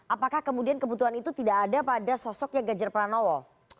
apakah kemudian kebutuhan itu tidak ada pada sosoknya gajar pranowo